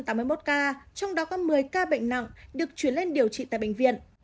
trong đó có một mươi ca bệnh nặng được chuyển lên điều trị tại bệnh viện